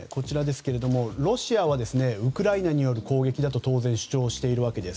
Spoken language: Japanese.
ロシアはウクライナによる攻撃だと当然主張しているわけです。